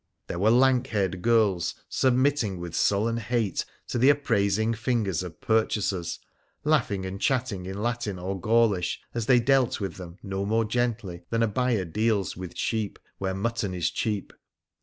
There were lank haired girls submitting with sullen hate to the appraising fingers of purchasers laughing and chatting in Latin or Gaulish, as they dealt with them no more gently than a buyer deals with sheep when mutton is cheap.